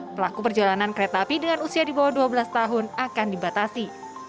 pelaku perjalanan kereta api dengan usia di bawah dua belas tahun akan dibatasi